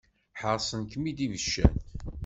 Ḥaṛṣen-kem-id ibeccan.